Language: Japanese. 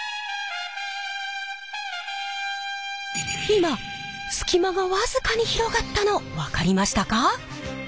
今隙間がわずかに広がったの分かりましたか？